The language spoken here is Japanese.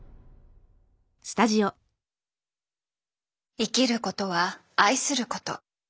生きることは愛すること。